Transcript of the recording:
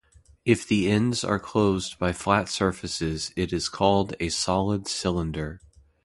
If the ends are closed by flat surfaces it is called a solid cylinder.